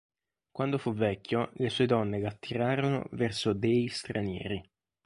Quando fu vecchio, le sue donne l'attirarono verso dei stranieri.